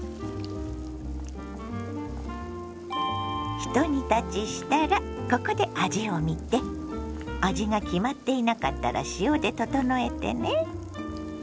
ひと煮立ちしたらここで味をみて味が決まっていなかったら塩で調えてね。